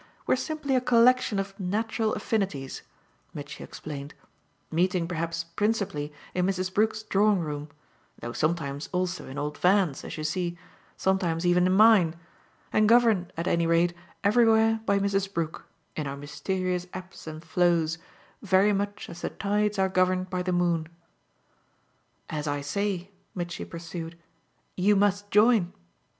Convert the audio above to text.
We're simply a collection of natural affinities," Mitchy explained; "meeting perhaps principally in Mrs. Brook's drawing room though sometimes also in old Van's, as you see, sometimes even in mine and governed at any rate everywhere by Mrs. Brook, in our mysterious ebbs and flows, very much as the tides are governed by the moon. As I say," Mitchy pursued, "you must join.